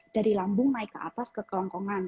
dari lambung naik ke atas ke kelongkongan